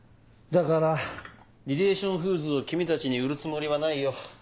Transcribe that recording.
だからリレーション・フーズを君たちに売るつもりはないよ。